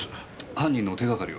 犯人の手がかりは？